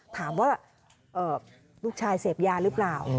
ถามว่าลูกชายเสพยาหรือเปล่า